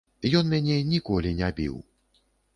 Ён мяне ніколі не біў.